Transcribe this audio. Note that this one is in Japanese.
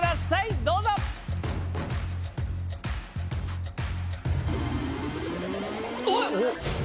どうぞ！おっ！